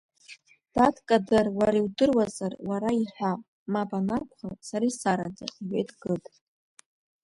Дад, Кадыр, уара иудыруазар уара иҳәа, мап анакәха, сара исараӡа, – иҳәеит Гыд.